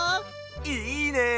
いいね！